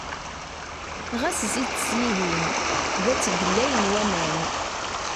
Ɣas zzi-d sihin! Da ttgellayen waman.